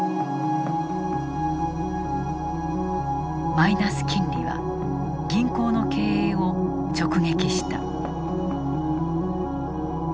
マイナス金利は銀行の経営を直撃した。